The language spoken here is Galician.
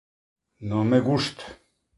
Non me gusta...